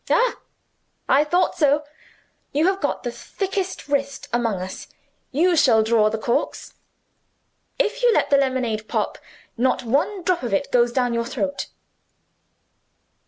Ah! I thought so. You have got the thickest wrist among us; you shall draw the corks. If you let the lemonade pop, not a drop of it goes down your throat.